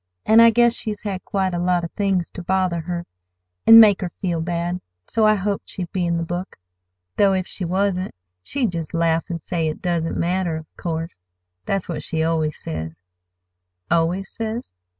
An' I guess she's had quite a lot of things ter bother her, an' make her feel bad, so I hoped she'd be in the book. Though if she wasn't, she'd just laugh an' say it doesn't matter, of course. That's what she always says." "Always says?"